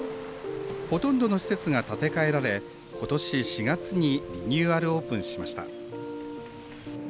ほとんどの施設が建て替えられことし４月にリニューアルオープンしました。